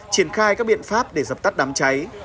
triển khai các biện pháp để dập tắt đám cháy